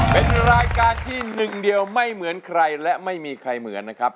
เป็นรายการที่หนึ่งเดียวไม่เหมือนใครและไม่มีใครเหมือนนะครับ